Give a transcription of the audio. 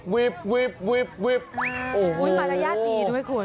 โอ้โหมารยาทดีดูให้คุณ